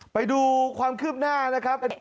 ไปดูความคืบหน้านะครับ